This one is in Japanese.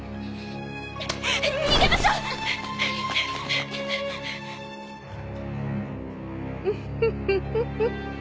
逃げましょ！ウフフフ。